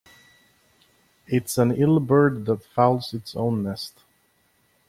It's an ill bird that fouls its own nest.